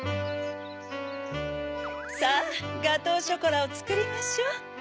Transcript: さぁガトーショコラをつくりましょう。